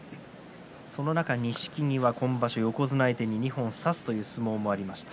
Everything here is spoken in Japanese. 錦木は今場所、横綱相手に二本を差すという相撲がありました。